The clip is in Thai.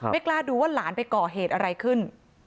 กล้าดูว่าหลานไปก่อเหตุอะไรขึ้น